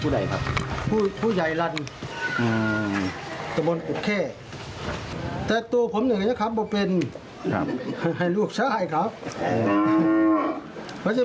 ได้อัฟระปีชื่อจากผู้ใหญ่